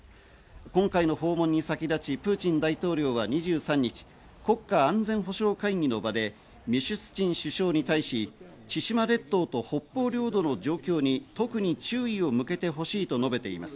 今回の訪問に先立ちプーチン大統領が２３日、国家安全保障会議の場でミシュスチン首相に対し、千島列島と北方領土の状況に特に注意を向けてほしいと述べています。